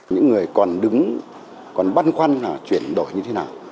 những người còn đứng còn băn khoăn là chuyển đổi như thế nào